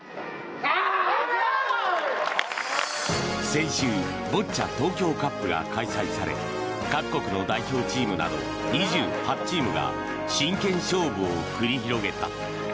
先週ボッチャ東京カップが開催され各国の代表チームなど２８チームが真剣勝負を繰り広げた。